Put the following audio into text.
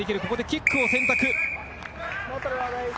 ここでキックを選択。